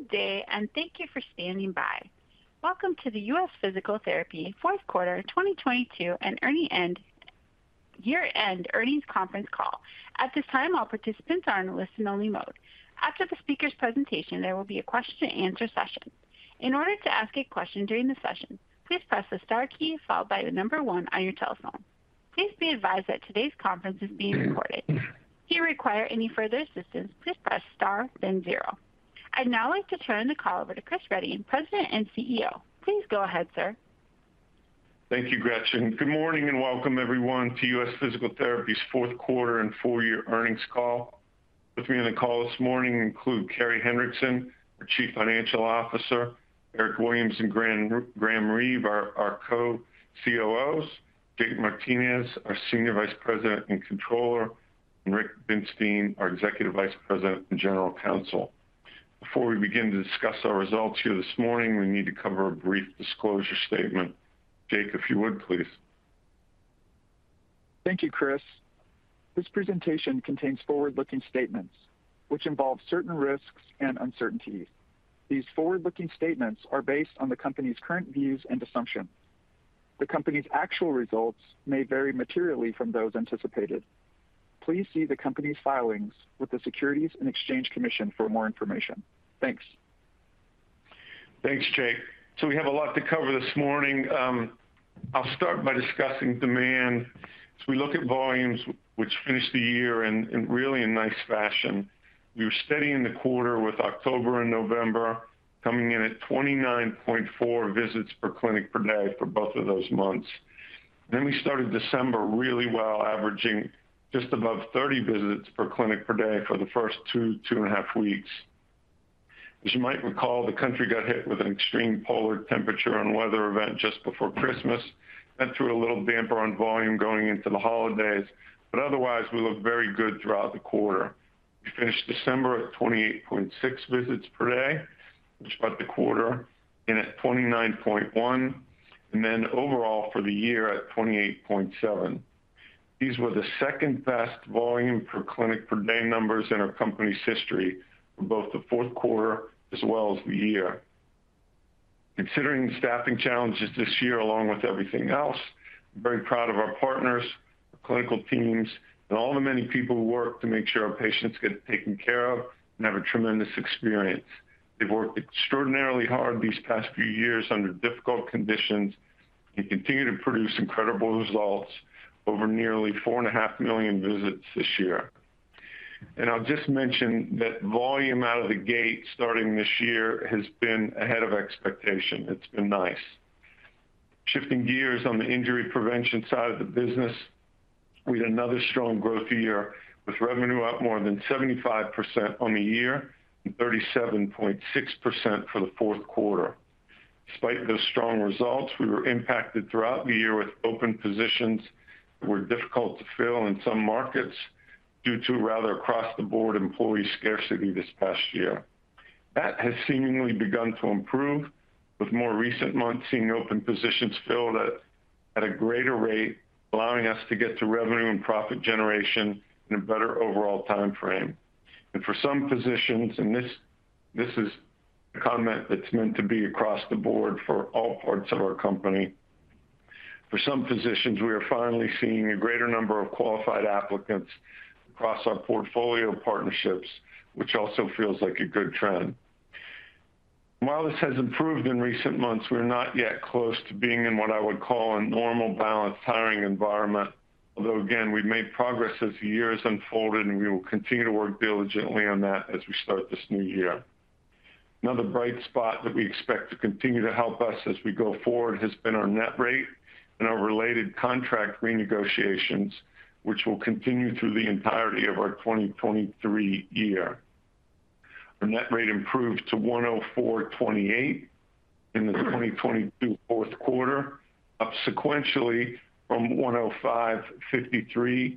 Good day. Thank you for standing by. Welcome to the U.S. Physical Therapy fourth quarter 2022 year-end earnings conference call. At this time, all participants are in a listen only mode. After the speaker's presentation, there will be a question and answer session. In order to ask a question during the session, please press the star key followed by one on your telephone. Please be advised that today's conference is being recorded. If you require any further assistance, please press star then zero. I'd now like to turn the call over to Chris Reading, President and CEO. Please go ahead, sir. Thank you, Gretchen. Good morning and welcome everyone to U.S. Physical Therapy's fourth quarter and full year earnings call. With me on the call this morning include Carey Hendrickson, our Chief Financial Officer, Eric Williams and Graham Reeve, our co-COOs, Jake Martinez, our Senior Vice President and Controller, and Rick Binstein, our Executive Vice President and General Counsel. Before we begin to discuss our results here this morning, we need to cover a brief disclosure statement. Jake, if you would, please. Thank you, Chris. This presentation contains forward-looking statements which involve certain risks and uncertainties. These forward-looking statements are based on the company's current views and assumptions. The company's actual results may vary materially from those anticipated. Please see the company's filings with the Securities and Exchange Commission for more information. Thanks. Thanks, Jake. We have a lot to cover this morning. I'll start by discussing demand. As we look at volumes which finished the year in really a nice fashion, we were steady in the quarter with October and November coming in at 29.4 visits per clinic per day for both of those months. We started December really well, averaging just above 30 visits per clinic per day for the first two and a half weeks. As you might recall, the country got hit with an extreme polar temperature and weather event just before Christmas. That threw a little damper on volume going into the holidays, but otherwise we looked very good throughout the quarter. We finished December at 28.6 visits per day, which brought the quarter in at 29.1 and overall for the year at 28.7. These were the second best volume per clinic per day numbers in our company's history for both the fourth quarter as well as the year. Considering the staffing challenges this year along with everything else, I'm very proud of our partners, our clinical teams, and all the many people who work to make sure our patients get taken care of and have a tremendous experience. They've worked extraordinarily hard these past few years under difficult conditions and continue to produce incredible results over nearly four and a half million visits this year. I'll just mention that volume out of the gate starting this year has been ahead of expectation. It's been nice. Shifting gears on the injury prevention side of the business, we had another strong growth year with revenue up more than 75% on the year and 37.6% for the fourth quarter. Despite those strong results, we were impacted throughout the year with open positions that were difficult to fill in some markets due to rather across-the-board employee scarcity this past year. That has seemingly begun to improve, with more recent months seeing open positions filled at a greater rate, allowing us to get to revenue and profit generation in a better overall timeframe. For some positions, and this is a comment that's meant to be across the board for all parts of our company. For some positions, we are finally seeing a greater number of qualified applicants across our portfolio of partnerships, which also feels like a good trend. While this has improved in recent months, we're not yet close to being in what I would call a normal, balanced hiring environment, although again, we've made progress as the year has unfolded, and we will continue to work diligently on that as we start this new year. Another bright spot that we expect to continue to help us as we go forward has been our net rate and our related contract renegotiations, which will continue through the entirety of our 2023 year. Our net rate improved to $104.28 in the 2022 fourth quarter, up sequentially from $105.53.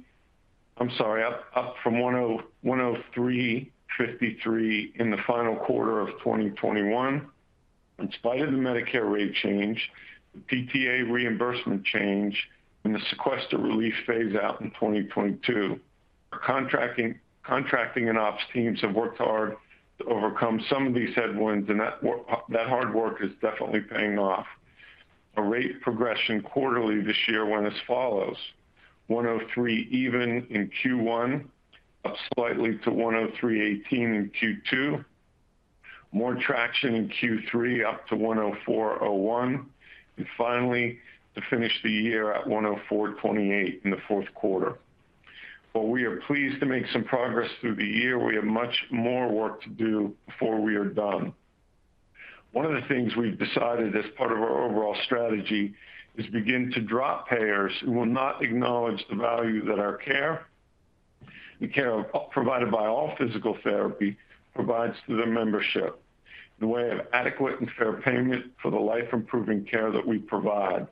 I'm sorry, up from $103.53 in the final quarter of 2021. In spite of the Medicare rate change, the PTA reimbursement change, and the sequestration relief phase out in 2022, our contracting and ops teams have worked hard to overcome some of these headwinds, and that hard work is definitely paying off. Our rate progression quarterly this year went as follows: $103.00 even in Q1, up slightly to $103.18 in Q2, more traction in Q3, up to $104.01, and finally to finish the year at $104.28 in the fourth quarter. While we are pleased to make some progress through the year, we have much more work to do before we are done. One of the things we've decided as part of our overall strategy is begin to drop payers who will not acknowledge the value that our care, the care provided by all physical therapy provides to their membership in the way of adequate and fair payment for the life-improving care that we provide.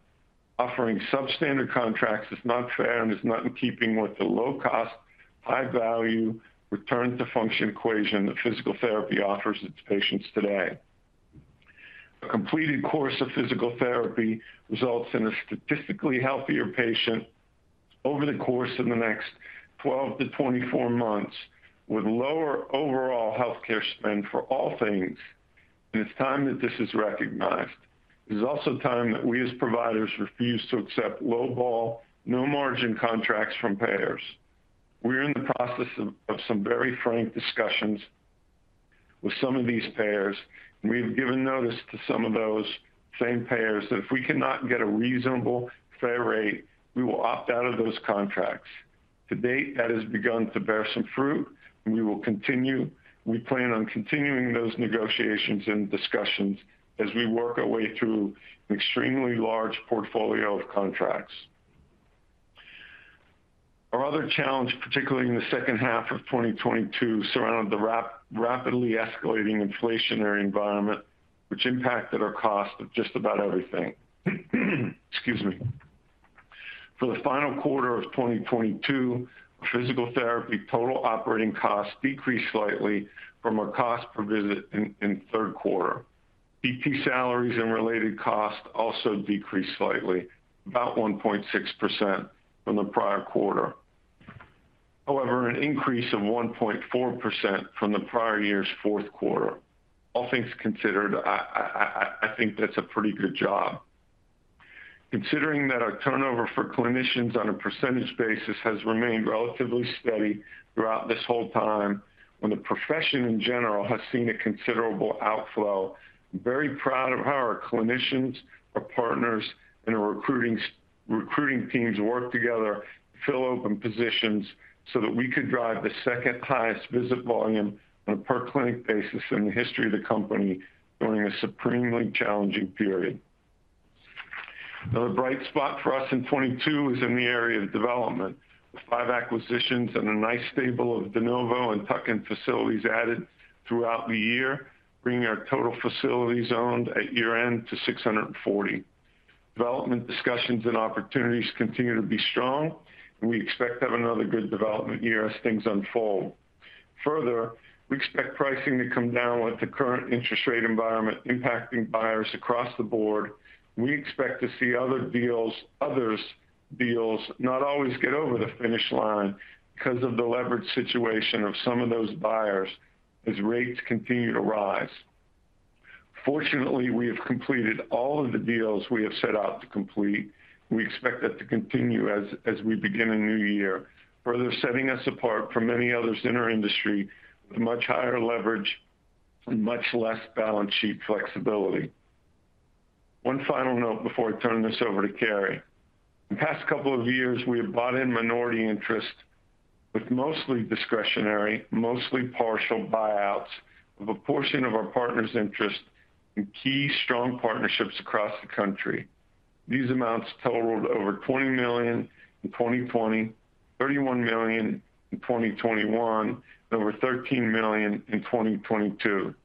Offering substandard contracts is not fair and is not in keeping with the low cost, high value return to function equation that physical therapy offers its patients today. A completed course of physical therapy results in a statistically healthier patient over the course of the next 12-24 months with lower overall healthcare spend for all things, and it's time that this is recognized. It is also time that we as providers refuse to accept low ball, no margin contracts from payers. We're in the process of some very frank discussions with some of these payers, and we've given notice to some of those same payers that if we cannot get a reasonable fair rate, we will opt out of those contracts. To date, that has begun to bear some fruit, we plan on continuing those negotiations and discussions as we work our way through an extremely large portfolio of contracts. Our other challenge, particularly in the second half of 2022, surrounded the rapidly escalating inflationary environment which impacted our cost of just about everything. Excuse me. For the final quarter of 2022, physical therapy total operating costs decreased slightly from our cost per visit in third quarter. PT salaries and related costs also decreased slightly, about 1.6% from the prior quarter. However, an increase of 1.4% from the prior year's fourth quarter. All things considered, I think that's a pretty good job. Considering that our turnover for clinicians on a percentage basis has remained relatively steady throughout this whole time when the profession in general has seen a considerable outflow, I'm very proud of how our clinicians, our partners, and our recruiting teams work together to fill open positions so that we could drive the second highest visit volume on a per clinic basis in the history of the company during a supremely challenging period. Another bright spot for us in 2022 is in the area of development. With five acquisitions and a nice stable of de novo and tuck-in facilities added throughout the year, bringing our total facilities owned at year-end to 640. Development discussions and opportunities continue to be strong. We expect to have another good development year as things unfold. We expect pricing to come down with the current interest rate environment impacting buyers across the board. We expect to see others' deals not always get over the finish line 'cause of the leveraged situation of some of those buyers as rates continue to rise. Fortunately, we have completed all of the deals we have set out to complete. We expect that to continue as we begin a new year, further setting us apart from many others in our industry with much higher leverage and much less balance sheet flexibility. One final note before I turn this over to Carey. In the past couple of years, we have bought in minority interest with mostly discretionary, mostly partial buyouts of a portion of our partners' interest in key strong partnerships across the country. These amounts totaled over $20 million in 2020, $31 million in 2021, and over $13 million in 2022.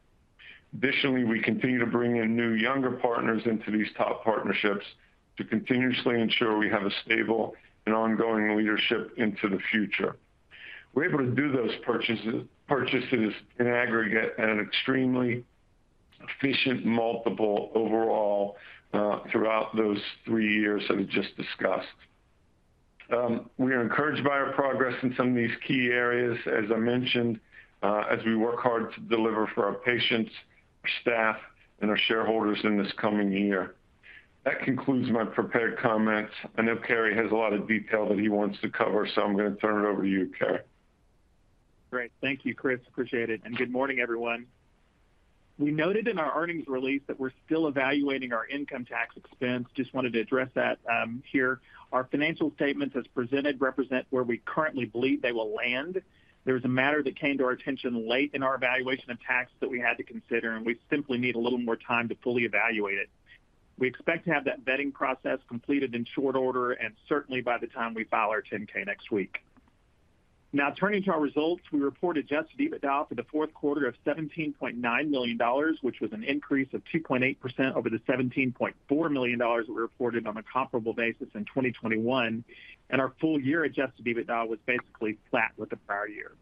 Additionally, we continue to bring in new younger partners into these top partnerships to continuously ensure we have a stable and ongoing leadership into the future. We're able to do those purchases in aggregate at an extremely efficient multiple overall throughout those three years that I just discussed. We are encouraged by our progress in some of these key areas, as I mentioned, as we work hard to deliver for our patients, our staff, and our shareholders in this coming year. That concludes my prepared comments. I know Carey has a lot of detail that he wants to cover, so I'm gonna turn it over to you, Carey. Great. Thank you, Chris. Appreciate it. Good morning, everyone. We noted in our earnings release that we're still evaluating our income tax expense. Just wanted to address that here. Our financial statements as presented represent where we currently believe they will land. There was a matter that came to our attention late in our evaluation of tax that we had to consider, and we simply need a little more time to fully evaluate it. We expect to have that vetting process completed in short order and certainly by the time we file our 10-K next week. Turning to our results, we reported adjusted EBITDA for the fourth quarter of $17.9 million, which was an increase of 2.8% over the $17.4 million that we reported on a comparable basis in 2021, and our full year adjusted EBITDA was basically flat with the prior year.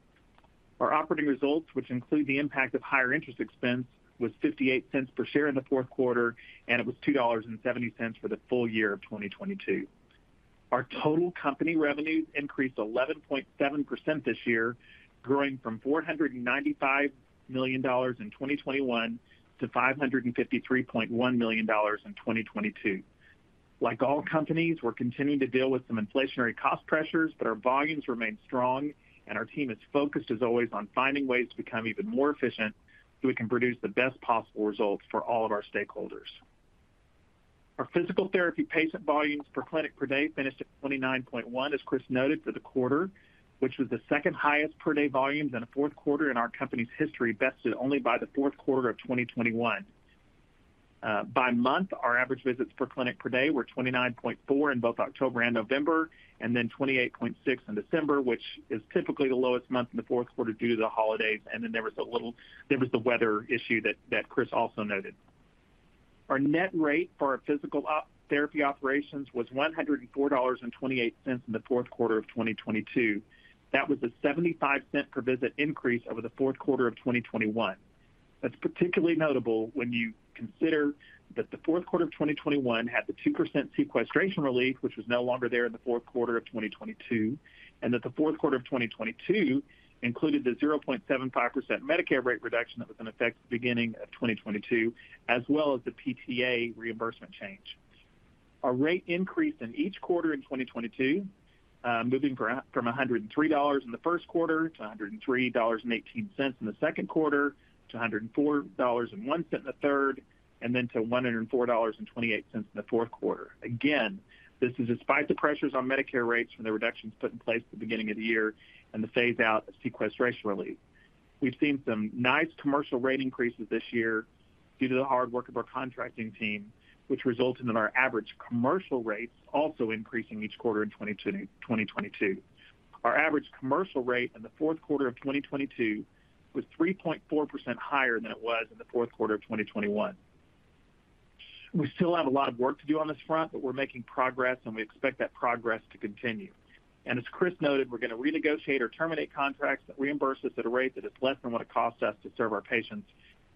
Our operating results, which include the impact of higher interest expense, was $0.58 per share in the fourth quarter, and it was $2.70 for the full year of 2022. Our total company revenues increased 11.7% this year, growing from $495 million in 2021 to $553.1 million in 2022. Like all companies, we're continuing to deal with some inflationary cost pressures. Our volumes remain strong. Our team is focused as always on finding ways to become even more efficient so we can produce the best possible results for all of our stakeholders. Our physical therapy patient volumes per clinic per day finished at 29.1, as Chris noted for the quarter, which was the second highest per day volumes in a fourth quarter in our company's history, bested only by the fourth quarter of 2021. By month, our average visits per clinic per day were 29.4 in both October and November. 28.6 in December, which is typically the lowest month in the fourth quarter due to the holidays. There was the weather issue that Chris also noted. Our net rate for our physical therapy operations was $104.28 in the fourth quarter of 2022. That was a $0.75 per visit increase over the fourth quarter of 2021. That's particularly notable when you consider that the fourth quarter of 2021 had the 2% sequestration relief, which was no longer there in the fourth quarter of 2022, and that the fourth quarter of 2022 included the 0.75% Medicare rate reduction that was in effect beginning of 2022, as well as the PTA reimbursement change. Our rate increased in each quarter in 2022, moving from $103 in the first quarter to $103.18 in the second quarter to $104.01 in the third, and then to $104.28 in the fourth quarter. This is despite the pressures on Medicare rates from the reductions put in place at the beginning of the year and the phase out of sequestration relief. We've seen some nice commercial rate increases this year due to the hard work of our contracting team, which resulted in our average commercial rates also increasing each quarter in 2022. Our average commercial rate in the fourth quarter of 2022 was 3.4% higher than it was in the fourth quarter of 2021. We still have a lot of work to do on this front, but we're making progress, and we expect that progress to continue. As Chris noted, we're going to renegotiate or terminate contracts that reimburse us at a rate that is less than what it costs us to serve our patients,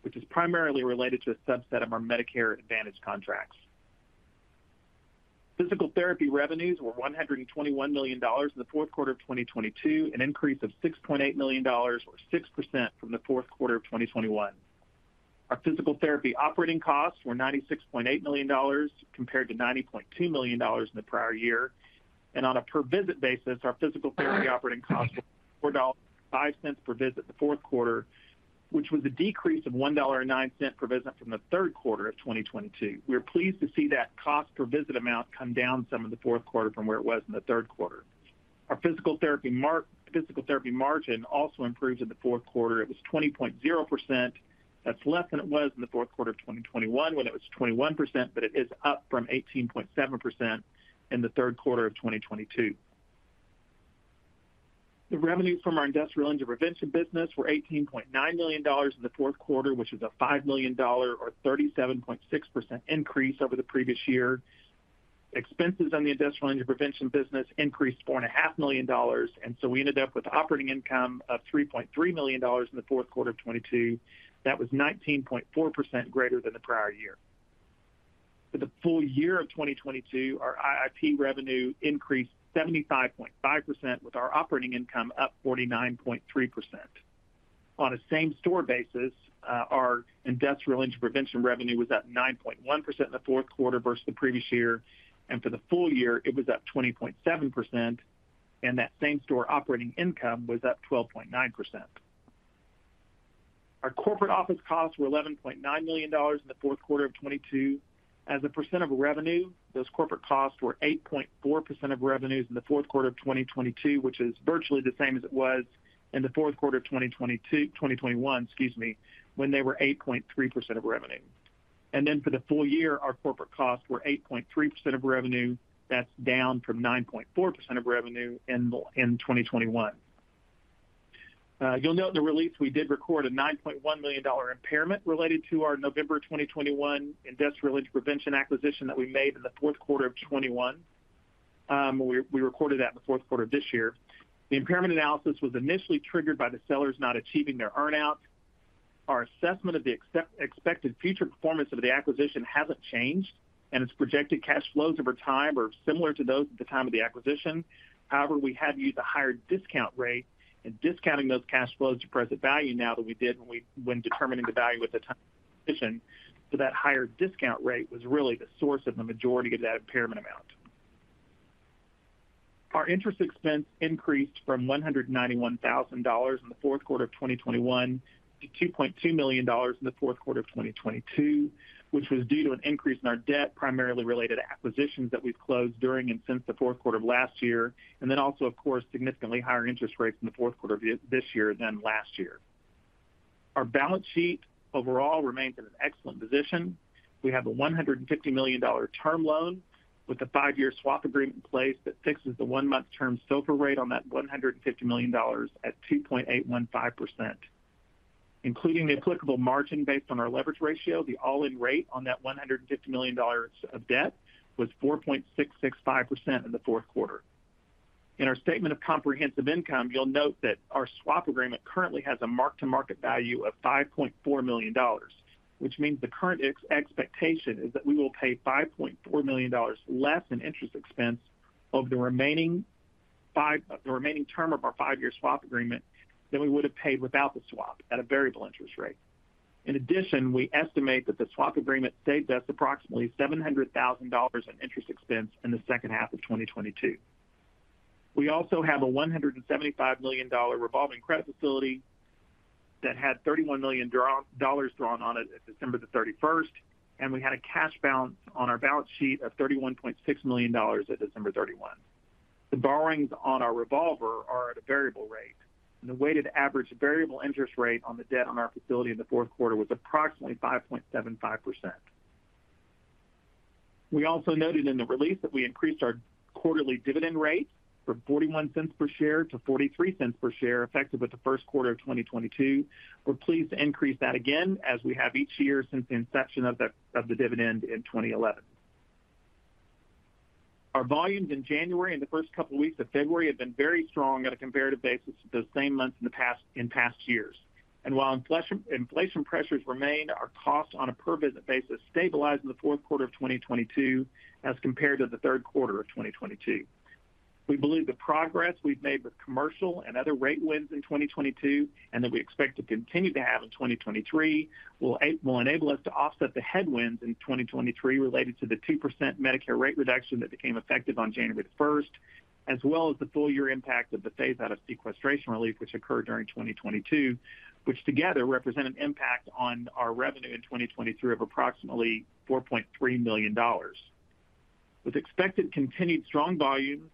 which is primarily related to a subset of our Medicare Advantage contracts. Physical therapy revenues were $121 million in the fourth quarter of 2022, an increase of $6.8 million or 6% from the fourth quarter of 2021. Our physical therapy operating costs were $96.8 million compared to $90.2 million in the prior year. On a per visit basis, our physical therapy operating costs were $4.05 per visit the fourth quarter, which was a decrease of $1.09 per visit from the third quarter of 2022. We're pleased to see that cost per visit amount come down some in the fourth quarter from where it was in the third quarter. Our physical therapy margin also improved in the fourth quarter. It was 20.0%. That's less than it was in the fourth quarter of 2021 when it was 21%, but it is up from 18.7% in the third quarter of 2022. The revenues from our Industrial Injury Prevention business were $18.9 million in the fourth quarter, which is a $5 million or 37.6% increase over the previous year. Expenses on the Industrial Injury Prevention business increased four and a half million dollars, we ended up with operating income of $3.3 million in the fourth quarter of 2022. That was 19.4% greater than the prior year. For the full year of 2022, our IIP revenue increased 75.5%, with our operating income up 49.3%. On a same-store basis, our Industrial Injury Prevention revenue was up 9.1% in the fourth quarter versus the previous year. For the full year, it was up 20.7%, and that same-store operating income was up 12.9%. Our corporate office costs were $11.9 million in the fourth quarter of 2022. As a percent of revenue, those corporate costs were 8.4% of revenues in the fourth quarter of 2022, which is virtually the same as it was in the fourth quarter of 2022, 2021, excuse me, when they were 8.3% of revenue. For the full year, our corporate costs were 8.3% of revenue. That's down from 9.4% of revenue in 2021. You'll note in the release, we did record a $9.1 million impairment related to our November 2021 Industrial Injury Prevention acquisition that we made in the fourth quarter of 2021. We recorded that in the fourth quarter of this year. The impairment analysis was initially triggered by the sellers not achieving their earn-out. Our assessment of the expected future performance of the acquisition hasn't changed. Its projected cash flows over time are similar to those at the time of the acquisition. However, we have used a higher discount rate in discounting those cash flows to present value now than we did when determining the value at the time of the acquisition. That higher discount rate was really the source of the majority of that impairment amount. Our interest expense increased from $191,000 in the fourth quarter of 2021 to $2.2 million in the fourth quarter of 2022, which was due to an increase in our debt, primarily related to acquisitions that we've closed during and since the fourth quarter of last year, also, of course, significantly higher interest rates in the fourth quarter of this year than last year. Our balance sheet overall remains in an excellent position. We have a $150 million term loan with a five-year swap agreement in place that fixes the one-month term SOFR rate on that $150 million at 2.815%. Including the applicable margin based on our leverage ratio, the all-in rate on that $150 million of debt was 4.665% in the fourth quarter. In our statement of comprehensive income, you'll note that our swap agreement currently has a mark-to-market value of $5.4 million, which means the current expectation is that we will pay $5.4 million less in interest expense over the remaining term of our five-year swap agreement than we would have paid without the swap at a variable interest rate. In addition, we estimate that the swap agreement saved us approximately $700,000 in interest expense in the second half of 2022. We also have a $175 million revolving credit facility that had $31 million dollars drawn on it at December 31. We had a cash balance on our balance sheet of $31.6 million at December 31. The borrowings on our revolver are at a variable rate, and the weighted average variable interest rate on the debt on our facility in the fourth quarter was approximately 5.75%. We also noted in the release that we increased our quarterly dividend rate from $0.41 per share to $0.43 per share, effective with the first quarter of 2022. We're pleased to increase that again, as we have each year since the inception of the dividend in 2011. Our volumes in January and the first couple weeks of February have been very strong on a comparative basis to those same months in past years. While inflation pressures remain, our costs on a per visit basis stabilized in the fourth quarter of 2022 as compared to the third quarter of 2022. We believe the progress we've made with commercial and other rate wins in 2022, and that we expect to continue to have in 2023, will enable us to offset the headwinds in 2023 related to the 2% Medicare rate reduction that became effective on January 1st, as well as the full year impact of the phase-out of sequestration relief which occurred during 2022, which together represent an impact on our revenue in 2023 of approximately $4.3 million. With expected continued strong volumes,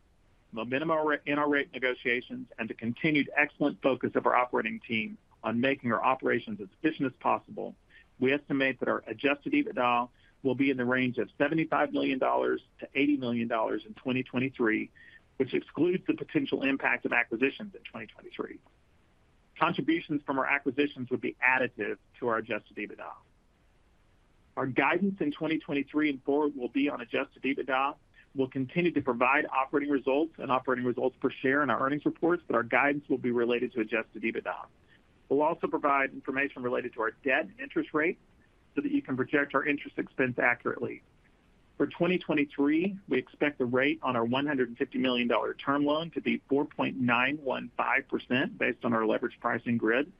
momentum in our rate negotiations, and the continued excellent focus of our operating team on making our operations as efficient as possible, we estimate that our adjusted EBITDA will be in the range of $75 million-$80 million in 2023, which excludes the potential impact of acquisitions in 2023. Contributions from our acquisitions would be additive to our adjusted EBITDA. Our guidance in 2023 and forward will be on adjusted EBITDA. We'll continue to provide operating results and operating results per share in our earnings reports, but our guidance will be related to adjusted EBITDA. We'll also provide information related to our debt and interest rate so that you can project our interest expense accurately. For 2023, we expect the rate on our $150 million term loan to be 4.915% based on our leverage pricing grid.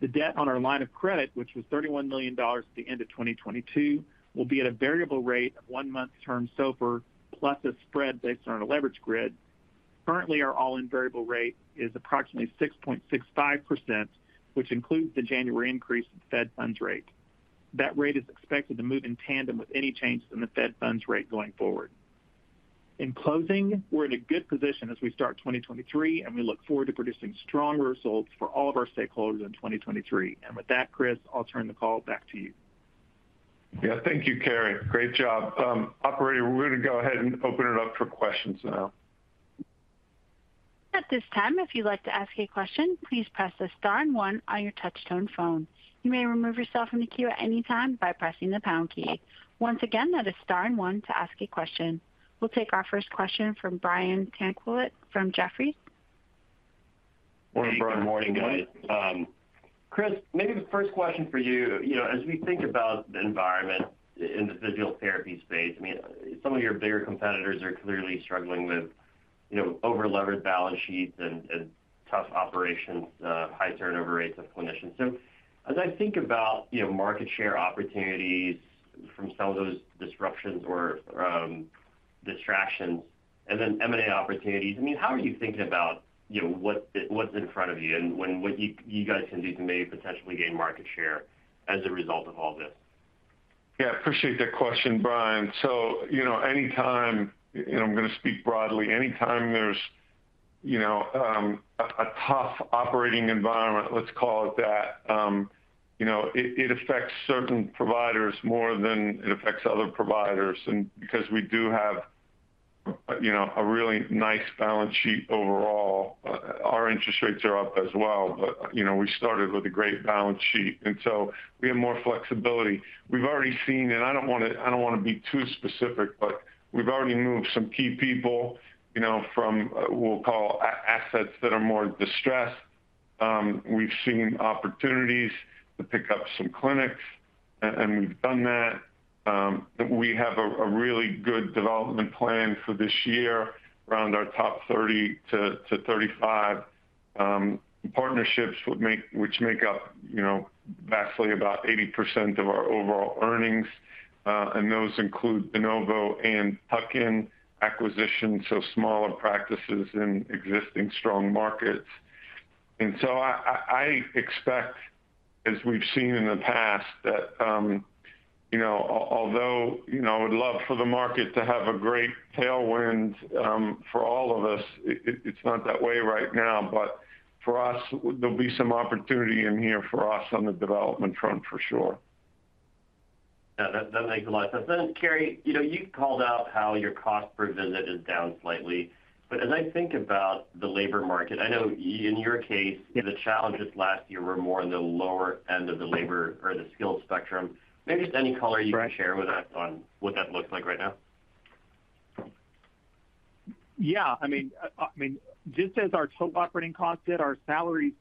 The debt on our line of credit, which was $31 million at the end of 2022, will be at a variable rate of one-month term SOFR plus a spread based on our leverage grid. Currently, our all-in variable rate is approximately 6.65%, which includes the January increase in federal funds rate. That rate is expected to move in tandem with any changes in the federal funds rate going forward. In closing, we're in a good position as we start 2023, and we look forward to producing strong results for all of our stakeholders in 2023. With that, Chris, I'll turn the call back to you. Yeah. Thank you, Carey. Great job. Operator, we're gonna go ahead and open it up for questions now. At this time, if you'd like to ask a question, please press star and one on your touchtone phone. You may remove yourself from the queue at any time by pressing the pound key. Once again, that is star and one to ask a question. We'll take our first question from Brian Tanquilut from Jefferies. Morning, Brian. Good morning. Chris, maybe the first question for you. You know, as we think about the environment in the physical therapy space, I mean, some of your bigger competitors are clearly struggling with, you know, over-leveraged balance sheets and tough operations, high turnover rates of clinicians. As I think about, you know, market share opportunities from some of those disruptions or distractions and then M&A opportunities, I mean, how are you thinking about, you know, what's in front of you and what you guys can do to maybe potentially gain market share as a result of all this? Yeah, appreciate that question, Brian. you know, anytime, and I'm gonna speak broadly, anytime there's, you know, a tough operating environment, let's call it that, you know, it affects certain providers more than it affects other providers. because we do have, you know, a really nice balance sheet overall, our interest rates are up as well, but, you know, we started with a great balance sheet. We have more flexibility. We've already seen, and I don't wanna be too specific, but we've already moved some key people, you know, from, we'll call assets that are more distressed. We've seen opportunities to pick up some clinics and we've done that. We have a really good development plan for this year around our top 30 to 35 partnerships which make up, you know, vastly about 80% of our overall earnings. Those include de novo and tuck-in acquisitions, so smaller practices in existing strong markets. I expect, as we've seen in the past, that, you know, although, you know, would love for the market to have a great tailwind for all of us, it's not that way right now. For us, there'll be some opportunity in here for us on the development front for sure. Yeah. That makes a lot of sense. Carey, you know, you've called out how your cost per visit is down slightly, but as I think about the labor market, I know in your case. Yeah The challenges last year were more on the lower end of the labor or the skill spectrum. Maybe just any color? Right you can share with us on what that looks like right now. Yeah. I mean, I mean, just as our total operating costs did, our salaries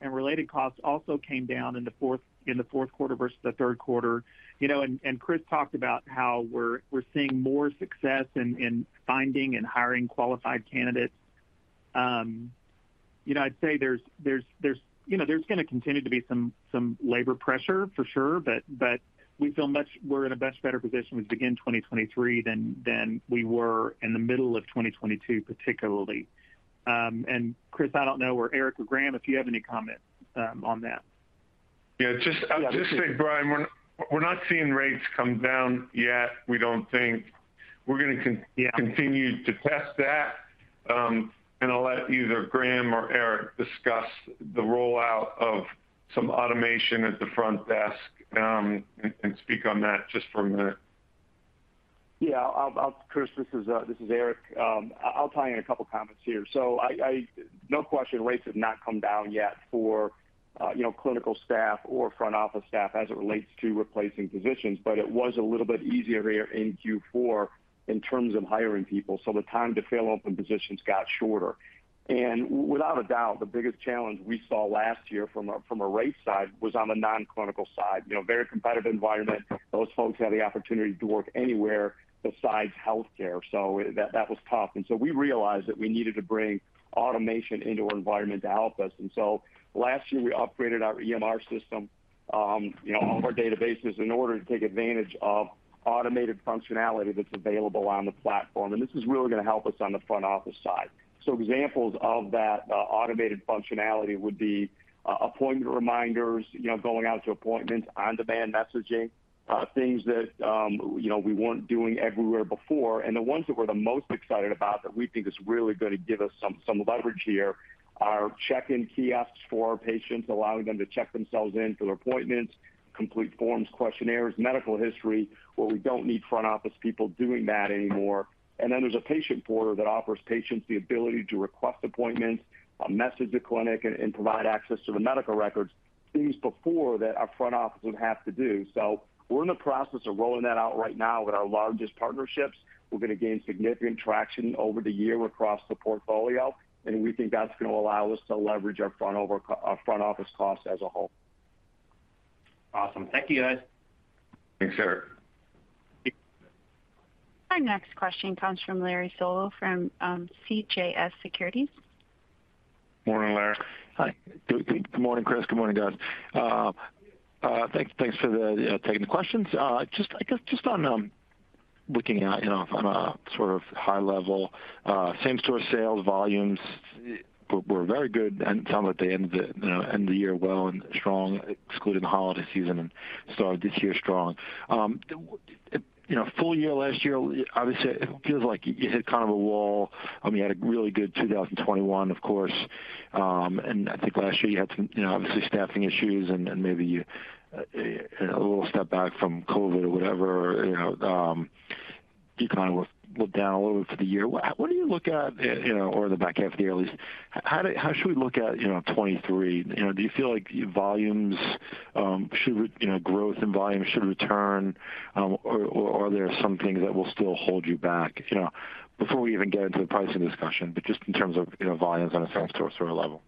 and related costs also came down in the fourth quarter versus the third quarter. You know, Chris talked about how we're seeing more success in finding and hiring qualified candidates. You know, I'd say there's, you know, there's gonna continue to be some labor pressure for sure, but we feel we're in a much better position as we begin 2023 than we were in the middle of 2022, particularly. Chris, I don't know, or Eric or Graham, if you have any comment on that. Yeah. Just, I'll just say, Brian, we're not seeing rates come down yet, we don't think. Yeah continue to test that. I'll let either Graham or Eric discuss the rollout of some automation at the front desk, and speak on that just for a minute. Yeah, I'll Chris, this is Eric. I'll tie in a couple comments here. No question, rates have not come down yet for, you know, clinical staff or front office staff as it relates to replacing positions, but it was a little bit easier in Q4 in terms of hiring people, so the time to fill open positions got shorter. Without a doubt, the biggest challenge we saw last year from a rate side was on the non-clinical side. You know, very competitive environment. Those folks had the opportunity to work anywhere besides healthcare, so that was tough. We realized that we needed to bring automation into our environment to help us. Last year, we upgraded our EMR system, you know, all of our databases in order to take advantage of automated functionality that's available on the platform, and this is really gonna help us on the front office side. Examples of that automated functionality would be appointment reminders, you know, going out to appointments, on-demand messaging, things that, you know, we weren't doing everywhere before. The ones that we're the most excited about that we think is really gonna give us some leverage here are check-in kiosks for our patients, allowing them to check themselves in to their appointments, complete forms, questionnaires, medical history, where we don't need front office people doing that anymore. There's a patient portal that offers patients the ability to request appointments, message the clinic and provide access to the medical records, things before that our front office would have to do. We're in the process of rolling that out right now with our largest partnerships. We're gonna gain significant traction over the year across the portfolio, and we think that's gonna allow us to leverage our front office costs as a whole. Awesome. Thank you, guys. Thanks, sir. Our next question comes from Larry Solow from CJS Securities. Morning, Larry. Hi. Good morning, Chris. Good morning, guys. Thanks for the taking the questions. Just, I guess just on, looking out, you know, on a sort of high level, same-store sales volumes were very good and sound like they ended the, you know, end the year well and strong, excluding the holiday season, and started this year strong. You know, full year last year, obviously it feels like you hit kind of a wall. I mean, you had a really good 2021, of course. I think last year you had some, you know, obviously staffing issues and maybe you, a little step back from COVID or whatever, you know, you kind of looked down a little bit for the year. What do you look at, you know, or the back half of the year, at least, how should we look at, you know, 2023? You know, do you feel like volumes, should, you know, growth and volumes should return, or are there some things that will still hold you back? You know, before we even get into the pricing discussion, but just in terms of, you know, volumes on a same-store sort of level.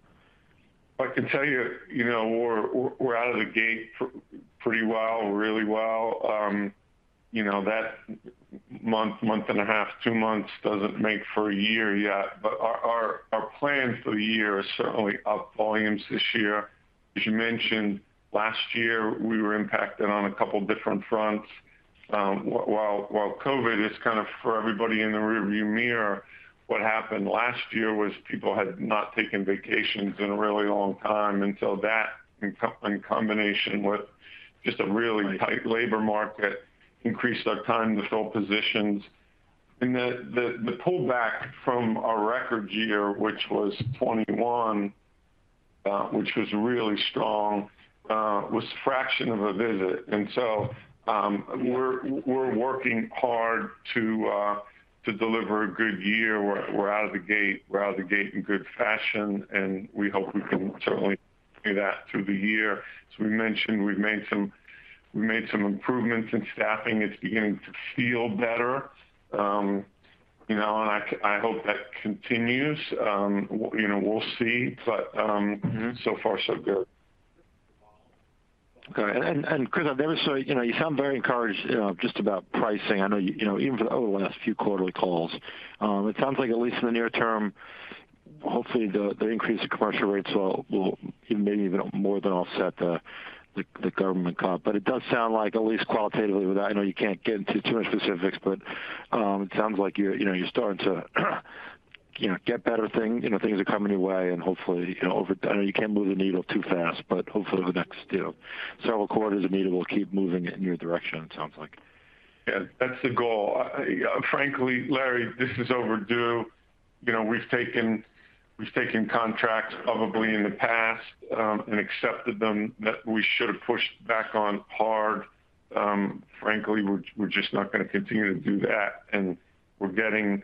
I can tell you know, we're out of the gate pretty well, really well. You know, that month and a half, two months doesn't make for a year yet. Our plans for the year are certainly up volumes this year. As you mentioned, last year, we were impacted on a couple different fronts. While COVID is kind of for everybody in the rearview mirror, what happened last year was people had not taken vacations in a really long time until that, in combination with just a really tight labor market, increased our time to fill positions. The pullback from our record year, which was 2021, which was really strong, was fraction of a visit. We're working hard to deliver a good year. We're out of the gate, we're out of the gate in good fashion. We hope we can certainly do that through the year. As we mentioned, we've made some improvements in staffing. It's beginning to feel better, you know, I hope that continues. You know, we'll see. So far so good. Okay. Chris, I've noticed, you know, you sound very encouraged, you know, just about pricing. I know, you know, even for the over the last few quarterly calls, it sounds like at least in the near term, hopefully the increase in commercial rates will maybe even more than offset the government comp. It does sound like at least qualitatively, I know you can't get into too much specifics, but it sounds like you're, you know, you're starting to, you know, get better things, you know, things are coming your way and hopefully, you know, over I know you can't move the needle too fast, but hopefully over the next, you know, several quarters, the needle will keep moving in your direction, it sounds like. Yeah, that's the goal. Frankly, Larry, this is overdue. You know, we've taken contracts probably in the past, and accepted them that we should have pushed back on hard. Frankly, we're just not gonna continue to do that, and we're getting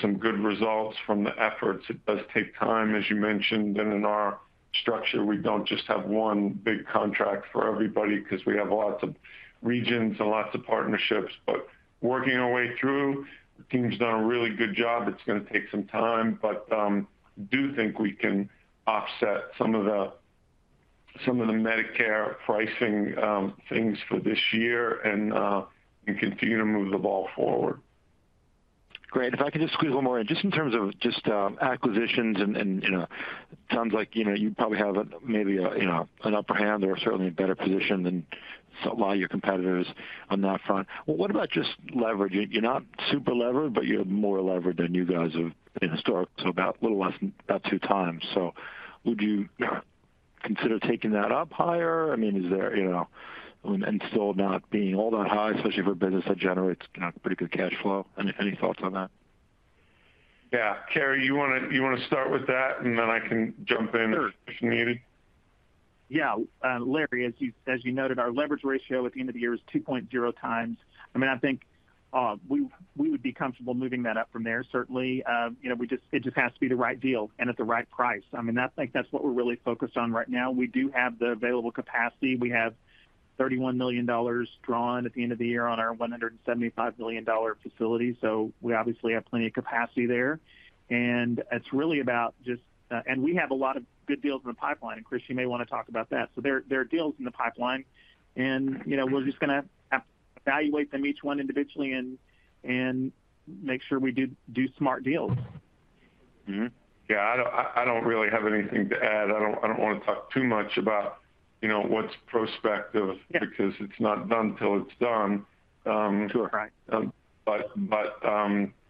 some good results from the efforts. It does take time, as you mentioned, and in our structure, we don't just have one big contract for everybody because we have lots of regions and lots of partnerships. Working our way through, the team's done a really good job. It's gonna take some time, but do think we can offset some of the, some of the Medicare pricing, things for this year and continue to move the ball forward. Great. If I could just squeeze one more in. Just in terms of just acquisitions and, you know, it sounds like, you know, you probably have a, maybe a, you know, an upper hand or certainly a better position than a lot of your competitors on that front. What about just leverage? You're not super levered, but you're more levered than you guys have been historically, so about a little less than about 2 times. Would you consider taking that up higher? I mean, is there, you know, and still not being all that high, especially for a business that generates, you know, pretty good cash flow. Any, any thoughts on that? Yeah. Carey, you wanna start with that and then I can jump in. Sure if needed. Larry, as you noted, our leverage ratio at the end of the year is 2.0x. I mean, I think, we would be comfortable moving that up from there, certainly. You know, it just has to be the right deal and at the right price. I mean, like, that's what we're really focused on right now. We do have the available capacity. We have $31 million drawn at the end of the year on our $175 million facility. We obviously have plenty of capacity there. It's really about just. We have a lot of good deals in the pipeline. Chris, you may wanna talk about that. There are deals in the pipeline and, you know, we're just gonna have to evaluate them each one individually and make sure we do smart deals. Mm-hmm. Yeah. I don't really have anything to add. I don't wanna talk too much about, you know, what's prospective- Yeah Because it's not done till it's done. Sure. Right.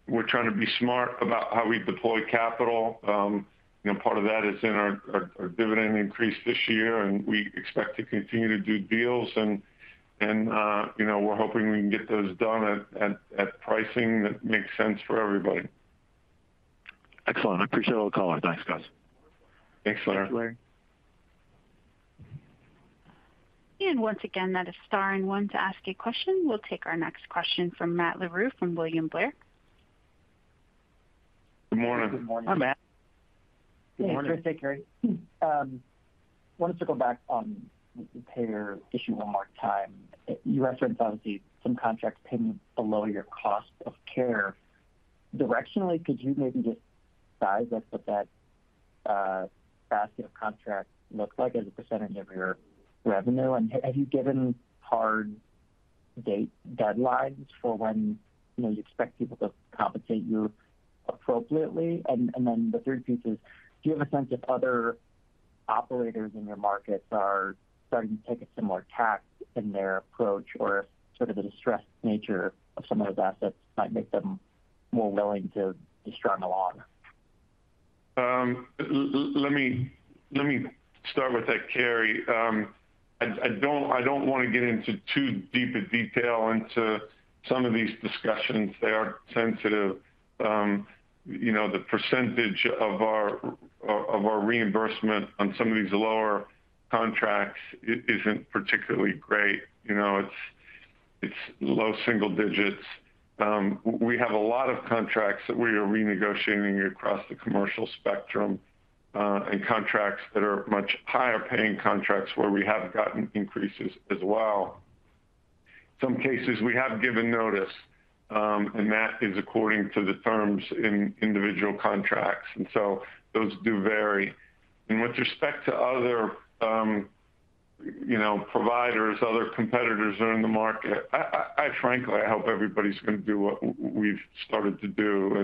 We're trying to be smart about how we deploy capital. you know, part of that is in our dividend increase this year, and we expect to continue to do deals and, you know, we're hoping we can get those done at pricing that makes sense for everybody. Excellent. I appreciate all the color. Thanks, guys. Thanks, Larry. Thanks, Larry. Once again, that is star and one to ask a question. We'll take our next question from Matt Larew from William Blair. Good morning. Good morning. Hi, Matt. Good morning. Hey, Chris. Hey, Carey. Wanted to go back on the payer issue one more time. You referenced obviously some contracts paying below your cost of care. Directionally, could you maybe just size up what that basket of contracts looks like as a percentage of your revenue? Have you given hard date deadlines for when, you know, you expect people to compensate you appropriately? Then the third piece is, do you have a sense if other operators in your markets are starting to take a similar tack in their approach or sort of the distressed nature of some of those assets might make them more willing to strum along? let me start with that, Carey. I don't wanna get into too deep a detail into some of these discussions. They are sensitive. You know, the percentage of our reimbursement on some of these lower contracts isn't particularly great. You know, it's low single digits. We have a lot of contracts that we are renegotiating across the commercial spectrum, and contracts that are much higher paying contracts where we have gotten increases as well. Some cases we have given notice, and that is according to the terms in individual contracts. So those do vary. With respect to other, you know, providers, other competitors that are in the market, I frankly, I hope everybody's gonna do what we've started to do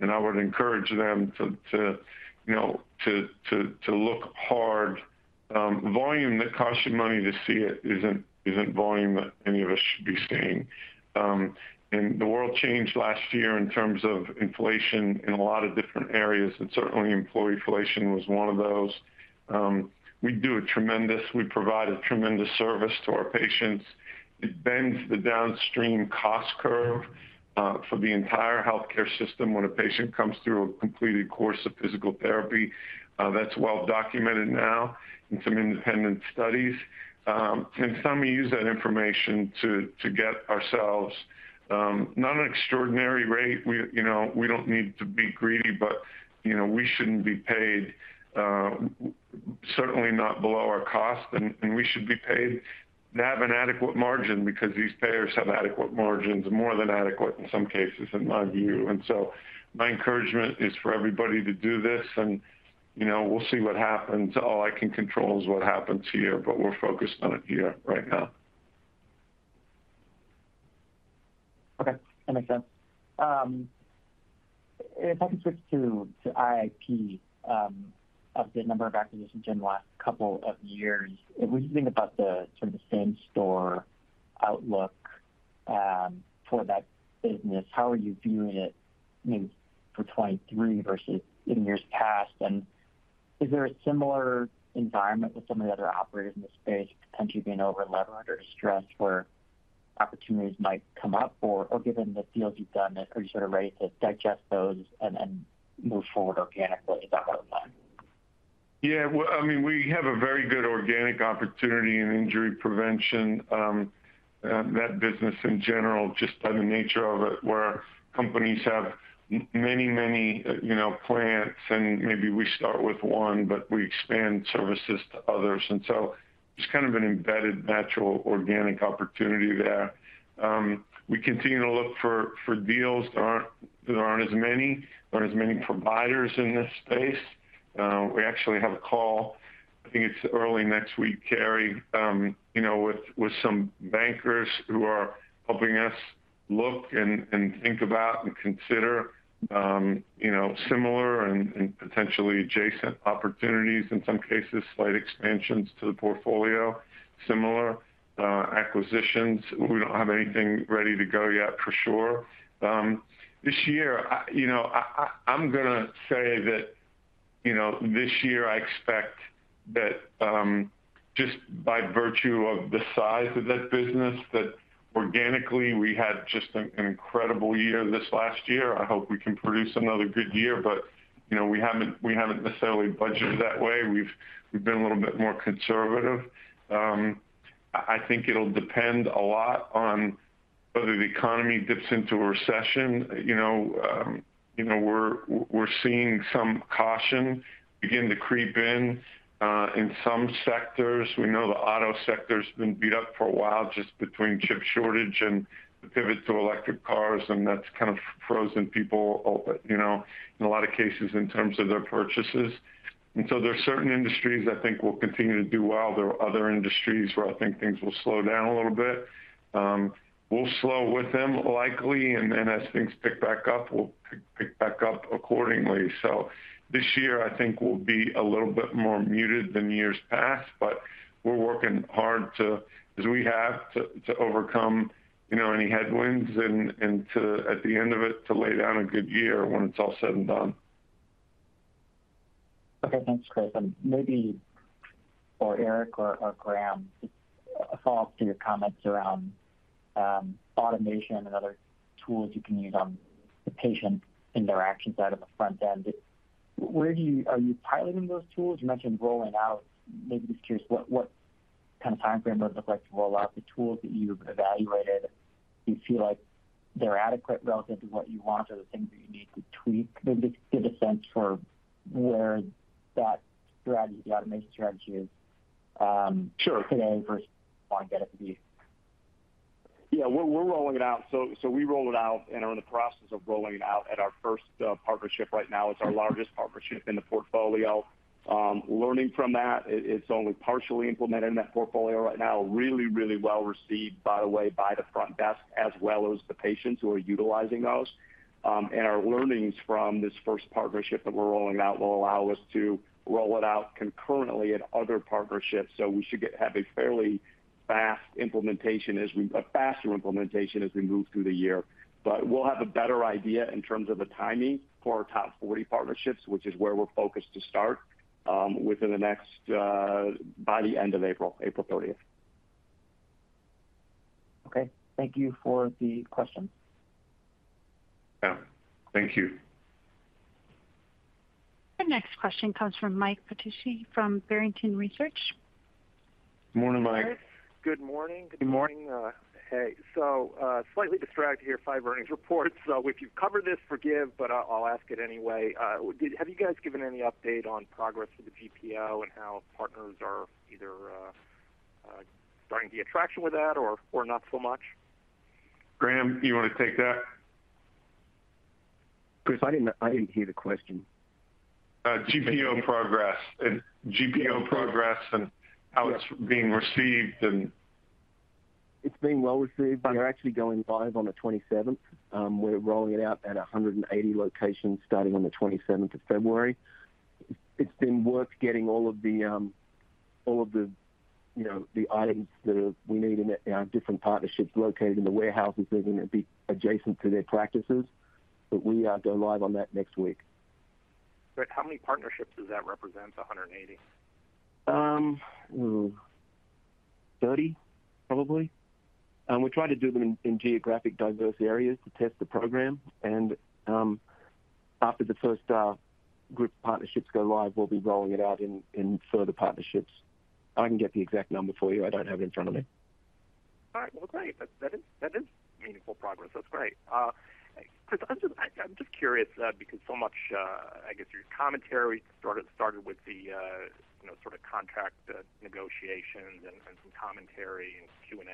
and I would encourage them to, you know, to look hard. Volume that costs you money to see it isn't volume that any of us should be seeing. The world changed last year in terms of inflation in a lot of different areas, and certainly employee inflation was one of those. We provide a tremendous service to our patients. It bends the downstream cost curve for the entire healthcare system when a patient comes through a completed course of physical therapy. That's well documented now in some independent studies. Some, we use that information to get ourselves not an extraordinary rate. We, you know, we don't need to be greedy, but, you know, we shouldn't be paid certainly not below our cost. We should be paid to have an adequate margin because these payers have adequate margins, more than adequate in some cases, in my view. My encouragement is for everybody to do this and, you know, we'll see what happens. All I can control is what happens here, but we're focused on it here right now. Okay. That makes sense. If I can switch to IIP, of the number of acquisitions done in the last couple of years, what do you think about the sort of the same-store outlook for that business? How are you viewing it maybe for 2023 versus in years past? Is there a similar environment with some of the other operators in the space potentially being over-levered or distressed where opportunities might come up? Or given the deals you've done, are you sort of ready to digest those and then move forward organically? Is that what I'm asking? Well, I mean, we have a very good organic opportunity in injury prevention. That business in general, just by the nature of it, where companies have many, you know, plants and maybe we start with one, but we expand services to others. There's kind of an embedded natural organic opportunity there. We continue to look for deals. There aren't as many. There aren't as many providers in this space. We actually have a call, I think it's early next week, Carey, you know, with some bankers who are helping us look and think about and consider, you know, similar and potentially adjacent opportunities, in some cases slight expansions to the portfolio, similar acquisitions. We don't have anything ready to go yet for sure. This year I expect that, just by virtue of the size of that business, that organically we had just an incredible year this last year. I hope we can produce another good year, but, you know, we haven't necessarily budgeted that way. We've been a little bit more conservative. I think it'll depend a lot on whether the economy dips into a recession. You know, we're seeing some caution begin to creep in in some sectors. We know the auto sector's been beat up for a while, just between chip shortage and the pivot to electric cars, and that's kind of frozen people, you know, in a lot of cases in terms of their purchases. There are certain industries I think will continue to do well. There are other industries where I think things will slow down a little bit. We'll slow with them likely, and then as things pick back up, we'll pick back up accordingly. This year, I think we'll be a little bit more muted than years past, but we're working hard to, as we have, to overcome, you know, any headwinds and to, at the end of it, to lay down a good year when it's all said and done. Okay. Thanks, Chris. Maybe for Eric or Graham, just a follow-up to your comments around automation and other tools you can use on the patient interaction side of the front end. Are you piloting those tools? You mentioned rolling out. Maybe just curious what kind of timeframe does it look like to roll out the tools that you've evaluated? Do you feel like they're adequate relative to what you want, or the things that you need to tweak? Maybe just give a sense for where that strategy, the automation strategy is- Sure today versus where you want to get it to be. Yeah. We're rolling it out. We rolled it out and are in the process of rolling it out at our 1st partnership right now. It's our largest partnership in the portfolio. Learning from that, it's only partially implemented in that portfolio right now. Really well received, by the way, by the front desk as well as the patients who are utilizing those. Our learnings from this 1st partnership that we're rolling out will allow us to roll it out concurrently at other partnerships. We should have a faster implementation as we move through the year. We'll have a better idea in terms of the timing for our top 40 partnerships, which is where we're focused to start, within the next by the end of April 30th. Okay. Thank you for the question. Yeah. Thank you. Our next question comes from Mike Petusky from Barrington Research. Morning, Mike. Good morning. Good morning. Hey. Slightly distracted here, five earnings reports. If you've covered this, forgive, but I'll ask it anyway. Have you guys given any update on progress with the GPO and how partners are either starting to get traction with that or not so much? Graham, do you wanna take that? Chris, I didn't hear the question. GPO progress and how it's being received and. It's being well received. We are actually going live on the 27th. We're rolling it out at 180 locations starting on the 27th of February. It's been worth getting all of the, you know, the items that we need in our different partnerships located in the warehouses. They're gonna be adjacent to their practices, we go live on that next week. Great. How many partnerships does that represent, 180? 30 probably. We try to do them in geographic diverse areas to test the program. After the first group of partnerships go live, we'll be rolling it out in further partnerships. I can get the exact number for you. I don't have it in front of me. All right. Well, great. That is meaningful progress. That's great. Chris, I'm just curious, because so much, I guess your commentary started with the, you know, sort of contract negotiations and some commentary and Q&A.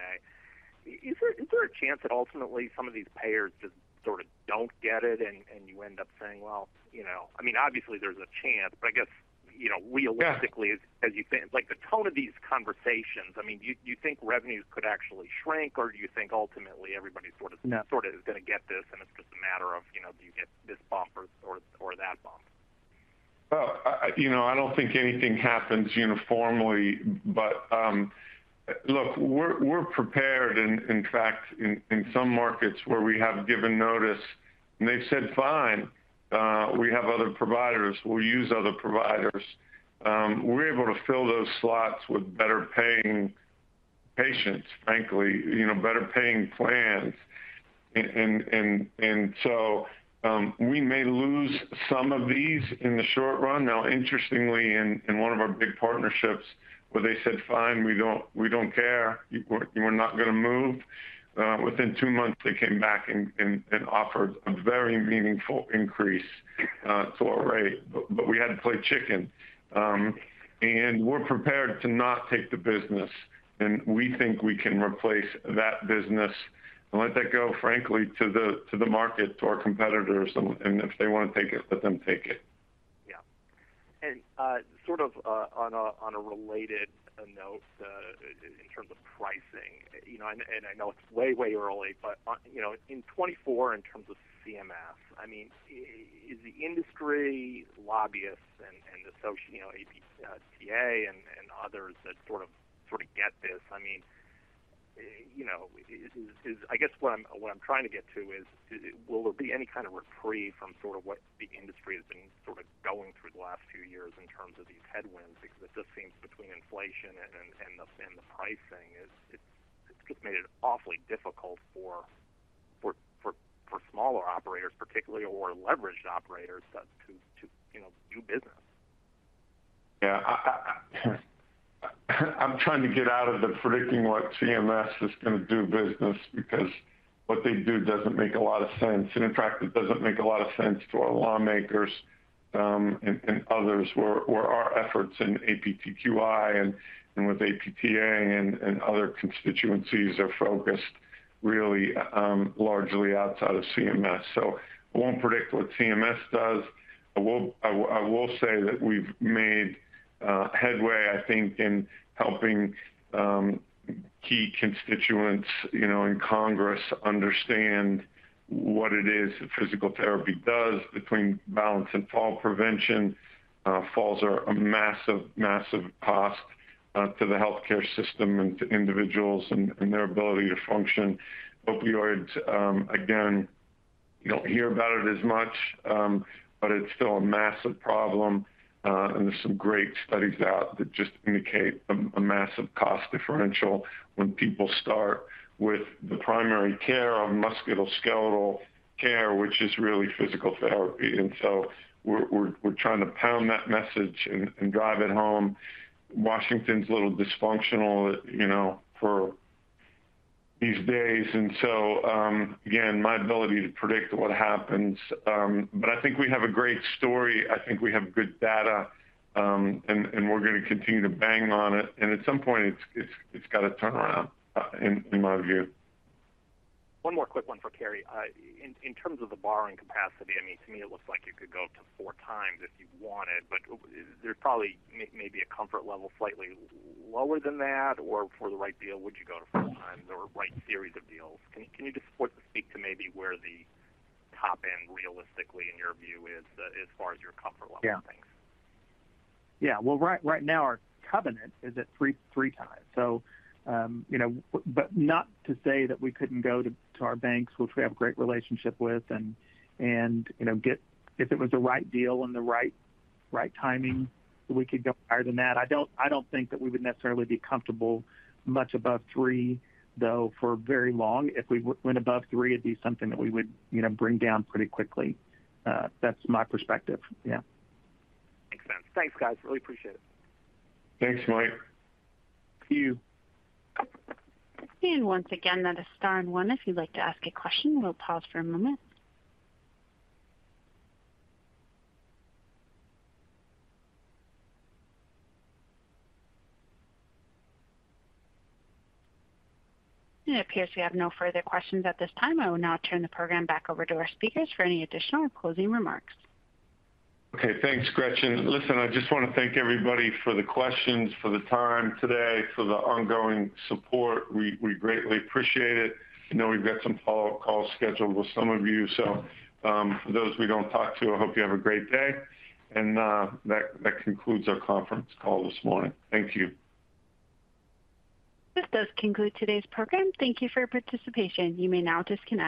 Is there a chance that ultimately some of these payers just sort of don't get it and you end up saying, "Well, you know..." I mean, obviously there's a chance, but I guess, you know, realistically. Yeah As you said, like, the tone of these conversations, I mean, do you think revenues could actually shrink, or do you think ultimately everybody sort of? No Sort of is gonna get this, it's just a matter of, you know, do you get this bump or that bump? Well, you know, I don't think anything happens uniformly. Look, we're prepared. In fact, in some markets where we have given notice and they've said, "Fine, we have other providers. We'll use other providers," we're able to fill those slots with better paying patients, frankly. You know, better paying plans. We may lose some of these in the short run. Now, interestingly, in one of our big partnerships where they said, "Fine, we don't care. We're not gonna move," within two months, they came back and offered a very meaningful increase to our rate, but we had to play chicken. We're prepared to not take the business, and we think we can replace that business and let that go, frankly, to the to the market, to our competitors. If they wanna take it, let them take it. Yeah. Sort of on a related note, in terms of pricing, you know, and I know it's way early, but you know, in 2024 in terms of CMS, I mean, is the industry lobbyists and you know, [ABCA and others that sort of get this? I mean, you know, I guess what I'm trying to get to is, will there be any kind of reprieve from sort of what the industry has been sort of going through the last few years in terms of these headwinds? It just seems between inflation and the pricing, it's just made it awfully difficult for smaller operators particularly, or leveraged operators to, you know, do business. Yeah. I'm trying to get out of the predicting what CMS is gonna do business because what they do doesn't make a lot of sense. In fact, it doesn't make a lot of sense to our lawmakers, and others where our efforts in APTQI and with APTA and other constituencies are focused really largely outside of CMS. I won't predict what CMS does. I will say that we've made headway I think in helping key constituents, you know, in Congress understand what it is that physical therapy does between balance and fall prevention. Falls are a massive cost to the healthcare system and to individuals and their ability to function. Opioids, again, you don't hear about it as much, it's still a massive problem. There's some great studies out that just indicate a massive cost differential when people start with the primary care of musculoskeletal care, which is really physical therapy. We're trying to pound that message and drive it home. Washington's a little dysfunctional, you know, for these days and so, again, my ability to predict what happens. I think we have a great story. I think we have good data. We're gonna continue to bang on it and at some point it's gotta turn around in my view. One more quick one for Carey. In terms of the borrowing capacity, I mean, to me it looks like you could go up to 4x if you wanted, but there's probably maybe a comfort level slightly lower than that or for the right deal, would you go to 4x or right series of deals? Can you just sort of speak to maybe where the top end realistically in your view is as far as your comfort level on things? Yeah. Yeah. Well, right now our covenant is at 3x. But, you know, not to say that we couldn't go to our banks, which we have a great relationship with and, you know, get... If it was the right deal and the right timing, we could go higher than that. I don't, I don't think that we would necessarily be comfortable much above three though for very long. If we went above three, it'd be something that we would, you know, bring down pretty quickly. That's my perspective. Yeah. Makes sense. Thanks, guys. Really appreciate it. Thanks, Mike. Thank you. Once again, that is star and one if you'd like to ask a question. We'll pause for a moment. It appears we have no further questions at this time. I will now turn the program back over to our speakers for any additional or closing remarks. Okay. Thanks, Gretchen. Listen, I just want to thank everybody for the questions, for the time today, for the ongoing support. We greatly appreciate it. I know we've got some follow-up calls scheduled with some of you. For those we don't talk to, I hope you have a great day and that concludes our conference call this morning. Thank you. This does conclude today's program. Thank you for your participation. You may now disconnect.